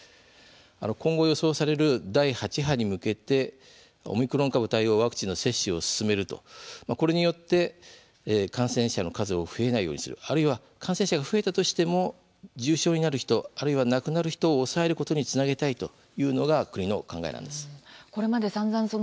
今後、予想される第８波に向けてオミクロン株対応ワクチンの接種を進めると、これによって感染者の数を増えないようにするあるいは感染者が増えたとしても重症になる人、あるいは亡くなる人を抑えることにつなげたいというのが国の考えなんです。